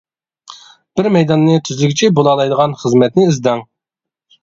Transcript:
بىر مەيداننى تۈزلىگۈچى بولالايدىغان خىزمەتنى ئىزدەڭ.